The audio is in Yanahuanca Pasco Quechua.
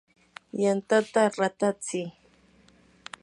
yantata ratatsi.